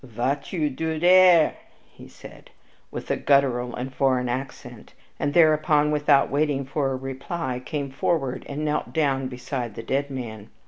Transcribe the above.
"Vat you do dare," said he, with a guttural and foreign accent, and thereupon, without waiting for a reply, came forward and knelt down beside the dead man.